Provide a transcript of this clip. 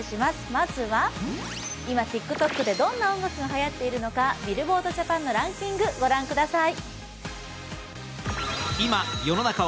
まずは、今ＴｉｋＴｏｋでどんな音楽がはやっているのかＢｉｌｌｂｏａｒｄＪＡＰＡＮのランキング、ご覧ください。